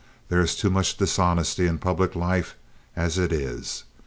There is too much dishonesty in public life as it is.